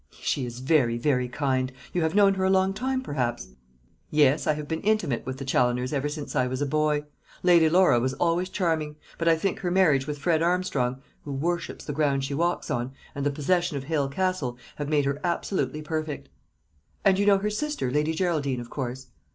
"She is very, very kind. You have known her a long time, perhaps?" "Yes. I have been intimate with the Challoners ever since I was a boy. Lady Laura was always charming; but I think her marriage with Fred Armstrong who worships the ground she walks on and the possession of Hale Castle have made her absolutely perfect." "And you know her sister, Lady Geraldine, of course?"